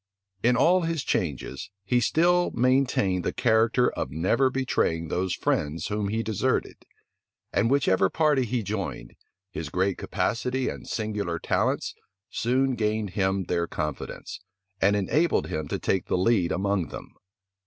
In all his changes, he still maintained the character of never betraying those friends whom he deserted; and whichever party he joined, his great capacity and singular talents soon gained him their confidence, and enabled him to take the lead among them.